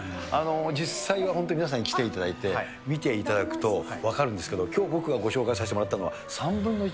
実際は本当、皆さんに来ていただいて、見ていただくと分かるんですけど、きょう僕がご紹介させてもらったのは、３分の１。